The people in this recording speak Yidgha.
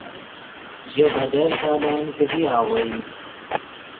ژے بدر سالن کیدی آغوئی